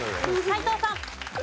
斎藤さん。